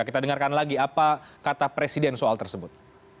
kita dengarkan lagi apa kata presiden soal tersebut